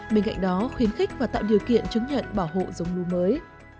bên cạnh đó khuyến khích và tạo điều kiện chứng nhận bảo hộ giống lúa mới